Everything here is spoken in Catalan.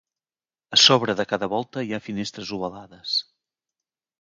A sobre de cada volta hi ha finestres ovalades.